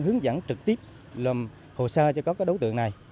hướng dẫn trực tiếp hồ sa cho các đấu tượng này